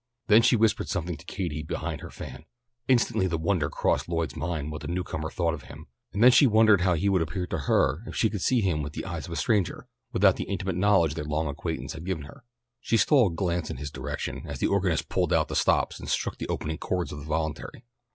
Then she whispered something to Katie behind her fan. Instantly the wonder crossed Lloyd's mind what the newcomer thought of him, and then she wondered how he would appear to her if she could see him with the eyes of a stranger, without the intimate knowledge their long acquaintance had given her. She stole a glance in his direction, as the organist pulled out the stops and struck the opening chords of the voluntary.